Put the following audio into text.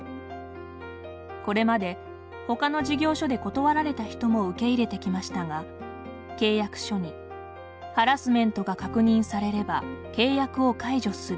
これまでほかの事業所で断られた人も受け入れてきましたが、契約書にハラスメントが確認されれば契約を解除する。